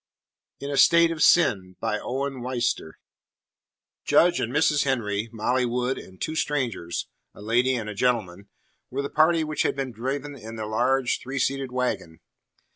IN A STATE OF SIN BY OWEN WISTER Judge and Mrs. Henry, Molly Wood, and two strangers, a lady and a gentleman, were the party which had been driving in the large three seated wagon.